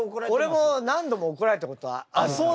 俺も何度もおこられたことあるから。